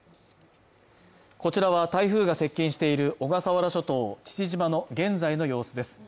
こちらは台風が接近している小笠原諸島父島の現在の様子です